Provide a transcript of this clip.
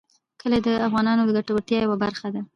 کلي د افغانانو د ګټورتیا یوه برخه ده.